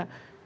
dia juga akan